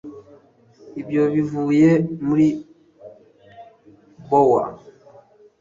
ibyo bivuye muri bower